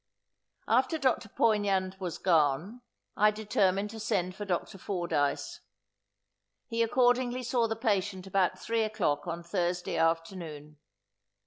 After Dr. Poignand was gone, I determined to send for Dr. Fordyce. He accordingly saw the patient about three o'clock on Thursday afternoon.